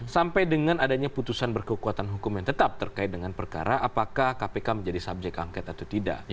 sampai dengan adanya putusan berkekuatan hukum yang tetap terkait dengan perkara apakah kpk menjadi subjek angket atau tidak